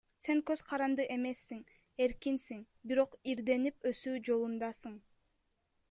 Сен көз каранды эмессиң, эркинсиң, бирок ирденип, өсүү жолундасың.